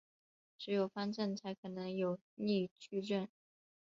只有方阵才可能有逆矩阵。